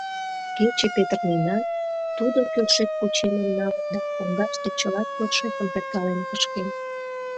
кече петырненат, тудо кӧршӧк кучемым налын да коҥгаште чыла кӧршӧкым перкален кышкен: